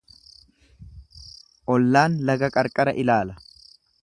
Ollaan laga qarqara ilaala.